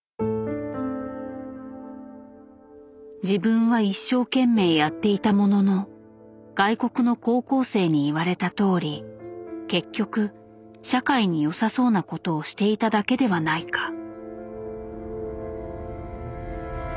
自分は一生懸命やっていたものの外国の高校生に言われたとおり結局社会に良さそうなことをしていただけではないか。